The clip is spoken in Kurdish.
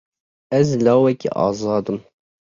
Ez lawekî azad im.